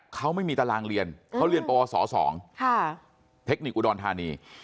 เขาไม่มีตารางเรียนเขาเรียนปวส๒เทคนิคอุดรธานี